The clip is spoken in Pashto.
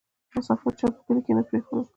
ـ مسافر چا په کلي کې نه پرېښود